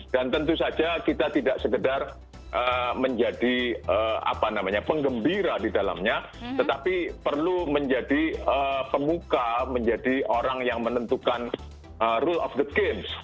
dan tentu saja kita tidak sekedar menjadi apa namanya penggembira di dalamnya tetapi perlu menjadi pemuka menjadi orang yang menentukan rules of the game